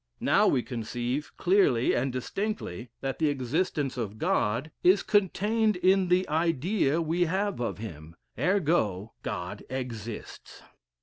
"Now, we conceive clearly and distinctly that the existence of God is contained in the idea we have of him: ergo God exists."